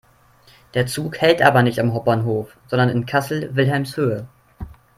Der Zug hält aber nicht am Hauptbahnhof, sondern in Kassel-Wilhelmshöhe.